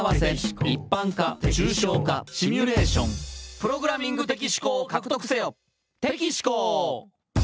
「プログラミング的思考を獲得せよ」